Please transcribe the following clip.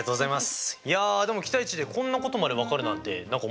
いやでも期待値でこんなことまで分かるなんて何か面白いですね。